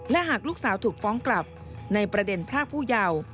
และหากลูกสาวถูกฟ้องกลับในประเด็นพรากผู้เยาว์